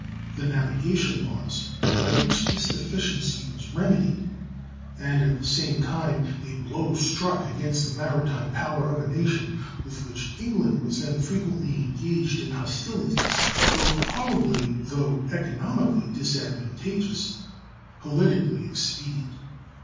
The navigation laws, by which this deficiency was remedied, and at the same time a blow struck against the maritime power of a nation with which England was then frequently engaged in hostilities, were probably, though economically disadvantageous, politically expedient.